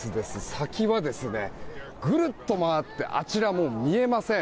先はぐるっと回ってあちら、もう見えません。